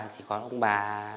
chỉ có ông bà